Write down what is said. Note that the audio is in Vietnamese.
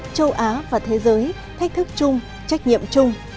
châu á và thế giới thách thức chung trách nhiệm chung